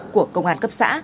của công an cấp xã